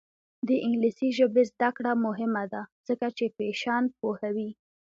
د انګلیسي ژبې زده کړه مهمه ده ځکه چې فیشن پوهوي.